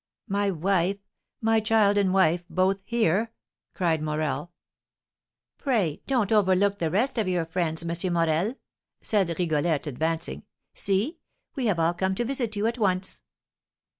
"My wife! My child and wife both here!" cried Morel. "Pray don't overlook the rest of your friends, M. Morel," said Rigolette, advancing; "see, we have all come to visit you at once!"